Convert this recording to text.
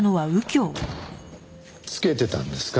つけてたんですか？